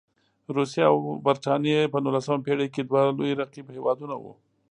روسیې او برټانیې په نولسمه پېړۍ کې دوه لوی رقیب هېوادونه وو.